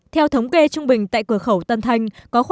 theo thống kê trung bình tại cửa khẩu tân thanh